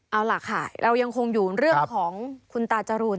เอาล่ะค่ะเรายังคงอยู่เรื่องของคุณตาจรูน